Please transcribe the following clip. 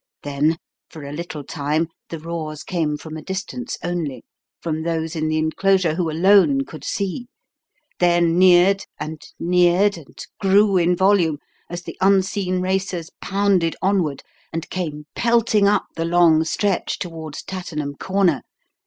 Then, for a little time, the roars came from a distance only from those in the enclosure who alone could see then neared and neared and grew in volume, as the unseen racers pounded onward and came pelting up the long stretch toward Tattenham Corner.